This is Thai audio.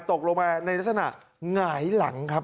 ตกลงมาในลักษณะหงายหลังครับ